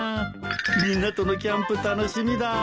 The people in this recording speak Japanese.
みんなとのキャンプ楽しみだ。